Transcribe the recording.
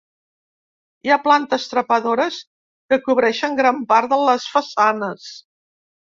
Hi ha plantes trepadores que cobreixen gran part de les façanes.